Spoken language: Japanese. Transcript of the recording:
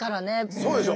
そうでしょ？